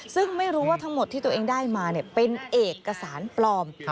ซึ่งไม่รู้ว่าทั้งหมดที่ตัวเองได้มาเป็นเอกสารปลอม